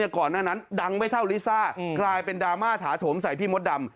ก่อนหน้านั้นดังไม่เท่าลิซ่ากลายเป็นดราม่าถาโถมใส่พี่มดดำ